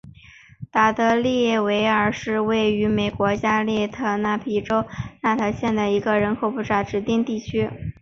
达德利维尔是位于美国亚利桑那州皮纳尔县的一个人口普查指定地区。